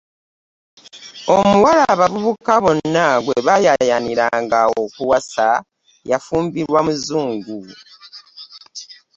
Omuwala abavubuka bonnag we baayaayaaniranga okuwasa yafumbirwa muzungu!